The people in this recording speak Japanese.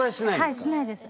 はいしないです。